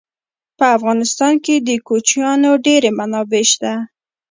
په افغانستان کې د کوچیانو ډېرې منابع شته.